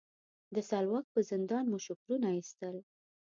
د سلواک په زندان مو شکرونه ایستل.